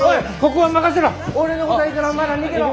ここは任せろ！